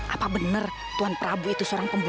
apa bener tuan prabu itu seorang pembunuh